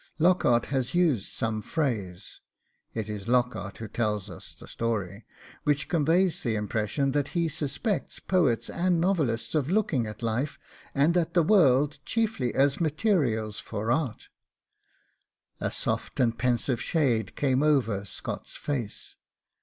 Lockhart had used some phrase (it is Lockhart who tells us the story) which conveyed the impression that he suspects poets and novelists of looking at life and at the world chiefly as materials for art. 'A soft and pensive shade came over Scott's face.